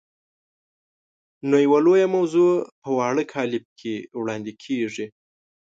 نو یوه لویه موضوع په واړه کالب کې وړاندې کېږي.